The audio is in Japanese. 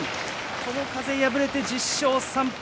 友風、敗れて１０勝３敗。